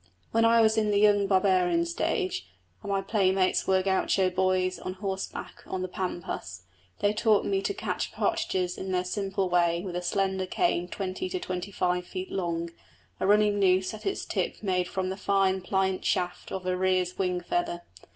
When I was in the young barbarian stage, and my playmates were gaucho boys on horseback on the pampas, they taught me to catch partridges in their simple way with a slender cane twenty to twenty five feet long, a running noose at its tip made from the fine pliant shaft of a rhea's wing feather.